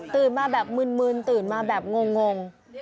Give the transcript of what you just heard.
มาแบบมืนตื่นมาแบบงง